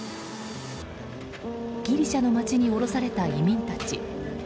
ギリシャの街に降ろされた移民たち。